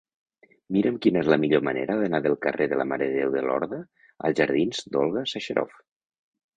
Mira'm quina és la millor manera d'anar del carrer de la Mare de Déu de Lorda als jardins d'Olga Sacharoff.